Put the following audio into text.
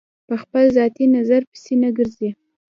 په خپل ذاتي نظر پسې نه ګرځي.